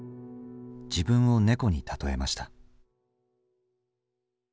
自分を猫に例えました。